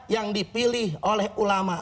yang dipilih oleh ulama